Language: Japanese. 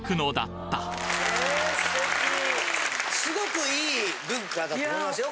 すごくいい文化だと思いますよ。